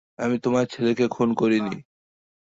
আমি তোমার ছেলেকে খুন করিনি।